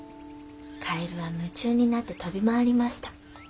カエルは夢中になって跳び回りました。